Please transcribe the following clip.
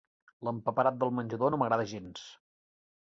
L'empaperat del menjador no m'agrada gens!